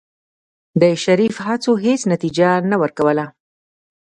د شريف هڅو هېڅ نتيجه نه ورکوله.